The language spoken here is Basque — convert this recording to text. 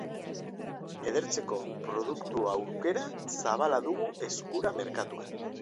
Edertzeko produktu-aukera zabala dugu eskura merkatuan.